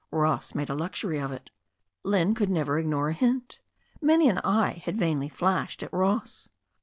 Ross made a luxury of it. Lynne could never ignore a hint. Many an eye had vainly flashed at Ross.